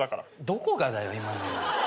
どこがだよ今の。